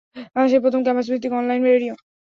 বাংলাদেশের প্রথম ক্যাম্পাস ভিত্তিক অন-লাইন রেডিও।